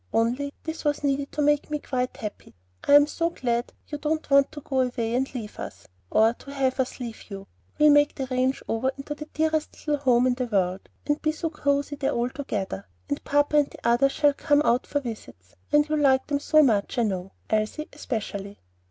"Only this was needed to make me quite happy. I am so glad you don't want to go away and leave us, or to have us leave you. We'll make the ranch over into the dearest little home in the world, and be so cosey there all together, and papa and the others shall come out for visits; and you'll like them so much, I know, Elsie especially."